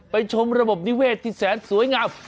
ชมระบบนิเวศที่แสนสวยงาม